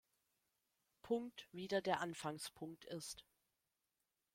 Punkt wieder der Anfangspunkt ist.